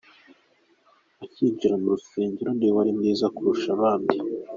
Akinjira mu rusengero niwe wari mwiza kurusha abandi.